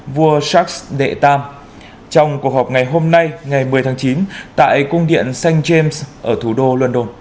vua charles iii trong cuộc họp ngày hôm nay ngày một mươi tháng chín tại cung điện st james ở thủ đô london